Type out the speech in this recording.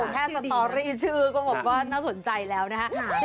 แค่สตอร์ธชื่อก็น่าสนใจแล้วนะคะ